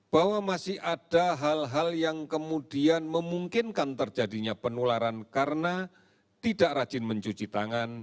bahwa masih ada hal hal yang kemudian memungkinkan terjadinya penularan karena tidak rajin mencuci tangan